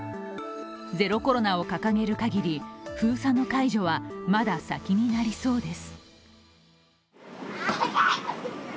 ゼロコロナを掲げるかぎり封鎖の解除はまだ先になりそうです。